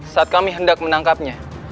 saat kami hendak menangkapnya